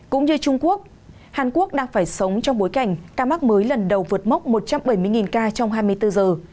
cũng như trung quốc hàn quốc đang phải sống trong bối cảnh ca mắc mới lần đầu vượt mốc một trăm bảy mươi ca trong hai mươi bốn giờ